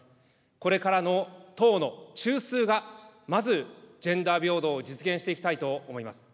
これからの党の中枢がまずジェンダー平等を実現していきたいと思います。